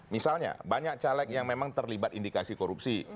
misalnya banyak caleg yang memang terlibat indikasi korupsi